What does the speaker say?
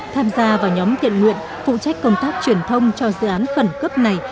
tham gia vào nhóm thiện nguyện phụ trách công tác truyền thông cho dự án khẩn cấp này